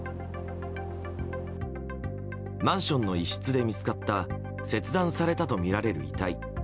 マンションの一室で見つかった切断されたとみられる遺体。